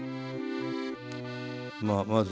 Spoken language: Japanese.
まあまず。